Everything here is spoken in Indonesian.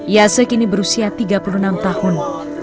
yase kini berusia tiga puluh enam tahun